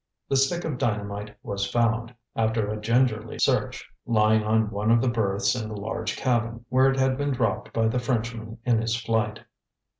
The stick of dynamite was found, after a gingerly search, lying on one of the berths in the large cabin, where it had been dropped by the Frenchman in his flight.